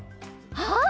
あっ！